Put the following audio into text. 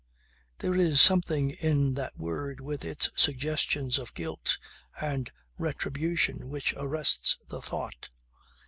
There is something in that word with its suggestions of guilt and retribution which arrests the thought.